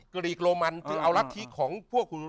กรีกโรมันเอารักษีของพวก